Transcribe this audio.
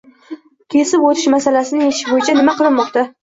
kesib o‘tish masalasini yechish bo‘yicha nima qilinmoqda?